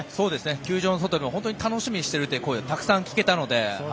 球場の外でも本当に楽しみにしているという声が聞けたので。